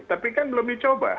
tapi kan belum dicoba